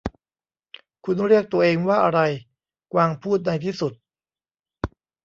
'คุณเรียกตัวเองว่าอะไร ? ' กวางพูดในที่สุด